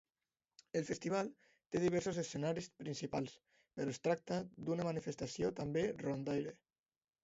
El festival té diversos escenaris principals però es tracta d'una manifestació també rondaire.